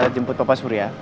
jemput papa surya